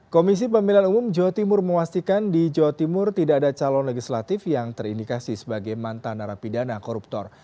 komisi pemilihan umum jawa timur memastikan di jawa timur tidak ada calon legislatif yang terindikasi sebagai mantan narapidana koruptor